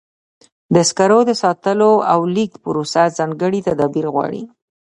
د سکرو د ساتلو او لیږد پروسه ځانګړي تدابیر غواړي.